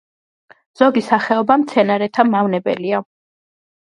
ზოგი სახეობა მცენარეთა მავნებელია.